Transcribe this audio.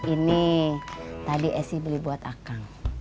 ini tadi esy beli buat akang